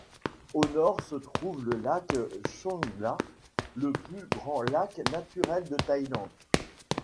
Au nord se trouve le lac Songkhla, le plus grand lac naturel de Thaïlande.